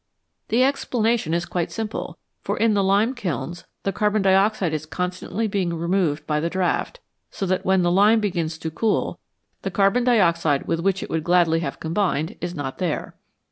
The explanation is quite simple, for in the lime kilns the carbon dioxide is constantly being removed by the draught, so that when the lime begins to cool, the carbon dioxide with which it would gladly have combined is not there.